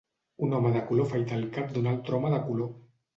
Un home de color afaita el cap d"un altre home de color.